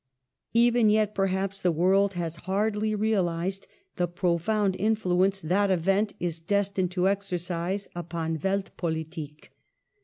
Even yet, perhaps, the world has hardly realized the profound influence that event is destined to exercise upon Welt politik.